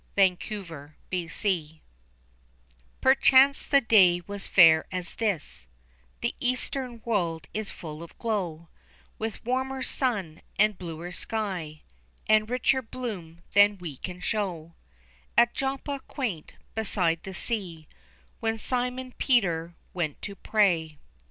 At Joppa Perchance the day was fair as this The eastern world is full of glow, With warmer sun, and bluer sky, And richer bloom than we can show At Joppa quaint, beside the sea, When Simon Peter went to pray.